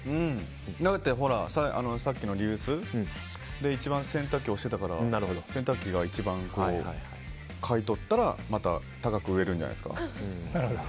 だってほらさっきのリユースで一番洗濯機を推してたから洗濯機が一番買い取ったらまた高く売れるんじゃないですか。